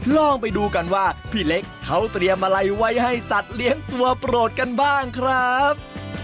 ลองไปดูกันว่าพี่เล็กเขาเตรียมอะไรไว้ให้สัตว์เลี้ยงตัวโปรดกันบ้างครับ